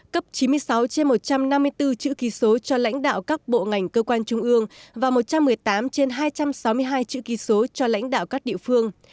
cấp chín mươi sáu trên một trăm năm mươi bốn chữ ký số cho lãnh đạo các bộ ngành cơ quan trung ương và một trăm một mươi tám trên hai trăm sáu mươi hai chữ ký số cho lãnh đạo các địa phương